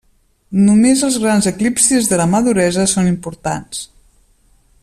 Només els grans eclipsis de la maduresa són importants.